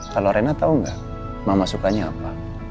kalau rena tau gak mama sukanya apa